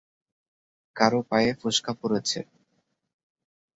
কারো পায়ে ফোস্কা পড়েছে।